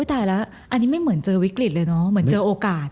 ตายแล้วอันนี้ไม่เหมือนเจอวิกฤตเลยเนอะเหมือนเจอโอกาส